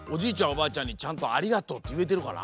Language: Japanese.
おばあちゃんにちゃんと「ありがとう」っていえてるかな？